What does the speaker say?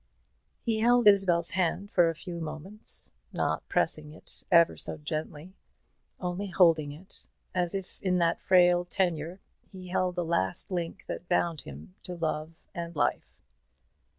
He held Isabel's hand for a few moments, not pressing it ever so gently, only holding it, as if in that frail tenure he held the last link that bound him to love and life.